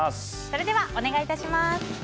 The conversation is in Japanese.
それではお願い致します。